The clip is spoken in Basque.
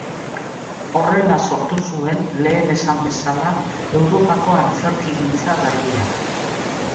Horrela sortu zuen, lehen esan bezala, Europako antzerkigintza berria.